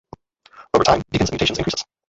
Over time, Deacon's mutation increases.